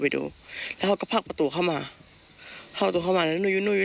มีความยาวขนาดไหน